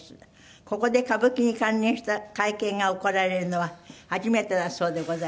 ここで歌舞伎に関連した会見が行われるのは初めてだそうでございまして。